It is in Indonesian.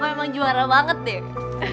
emang juara banget deh